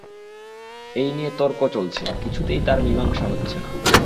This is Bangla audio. এই নিয়ে তর্ক চলছে, কিছুতে তার মীমাংসা হচ্ছে না।